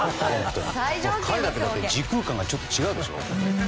彼だけ時空間がちょっと違うでしょ。